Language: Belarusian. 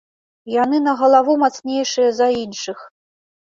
Яны на галаву мацнейшыя за іншых.